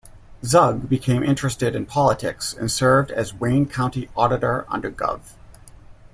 Zug became interested in politics and served as Wayne County Auditor under Gov.